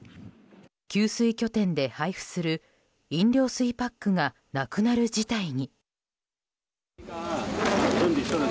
給水拠点で配布する飲料水パックがなくなる事態に。